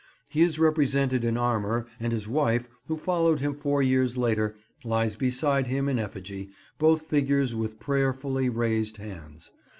He is represented in armour, and his wife, who followed him four years later, lies beside him in effigy, both figures with prayerfully raised hands.